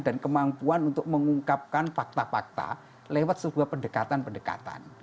dan kemampuan untuk mengungkapkan fakta fakta lewat sebuah pendekatan pendekatan